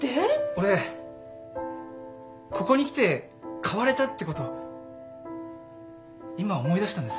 俺ここに来て変われたってこと今思い出したんです。